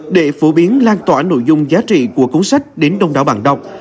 để phổ biến lan tỏa nội dung giá trị của cuốn sách đến đông đảo bạn đọc